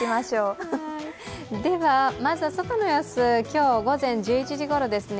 では、まずは外の様子、今日午前１１時ごろですね。